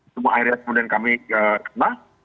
semua area kemudian kami kenal